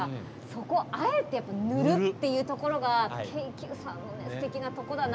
そこをあえて塗るっていうところが京急さんのすてきなとこだなって。